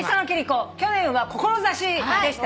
去年は「志」でしたね。